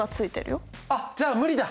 あっじゃあ無理だ。